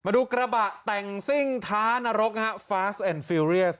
มาดูกระบะแต่งซิ่งท้านรกฮะฟาสต์แอนด์ฟิวเรียส